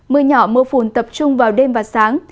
mưa nhỏ mưa phùn tập trung vào đêm và sáng